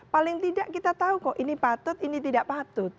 paling tidak kita tahu kok ini patut ini tidak patut